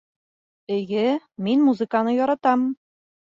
Эйе, мин музыканы яратам